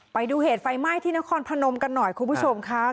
ไปดูเหตุไฟไหม้ที่นครพนมกันหน่อยคุณผู้ชมค่ะ